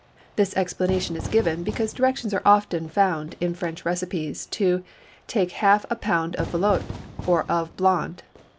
This explanation is given because directions are often found in French recipes to "take half a pint of velouté" or of "blonde."